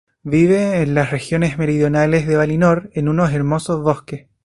Vive en las regiones meridionales de Valinor, en unos hermosos bosques.